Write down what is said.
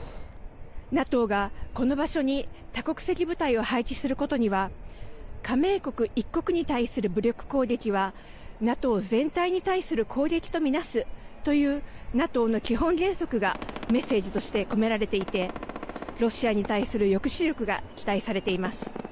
ＮＡＴＯがこの場所に多国籍部隊を配置することには加盟国１国に対する武力攻撃はＮＡＴＯ全体に対する攻撃と見なすというＮＡＴＯの基本原則がメッセージとして込められていてロシアに対する抑止力が期待されています。